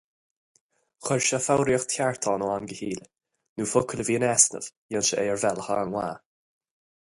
Chuir sé foghraíocht cheart ann ó am go chéile, nó focail a bhí in easnamh, dhein sé é ar bhealach an-mhaith.